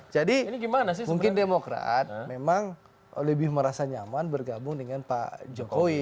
jadi mungkin demokrat memang lebih merasa nyaman bergabung dengan pak jokowi